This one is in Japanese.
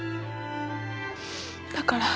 だから。